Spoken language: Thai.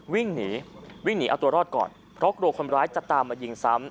วิ่งหนีวิ่งหนีเอาตัวรอดก่อนเพราะกลัวคนร้ายจะตามมายิงซ้ำ